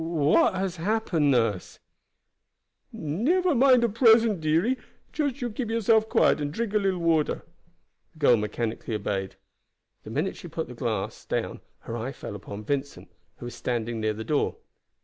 "What has happened, nurse?" "Never mind at present, dearie. Juss you keep yourself quiet, and drink a little water." The girl mechanically obeyed. The minute she put down the glass her eye fell upon Vincent, who was standing near the door.